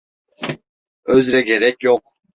Özre gerek yok.